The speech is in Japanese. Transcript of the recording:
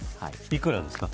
いくらですか。